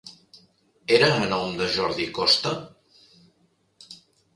Era a nom de Jordi Costa?